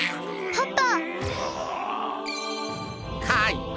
パパ。